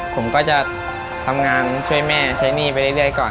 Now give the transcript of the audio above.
ผมก็จะทำงานช่วยแม่ใช้หนี้ไปเรื่อยก่อน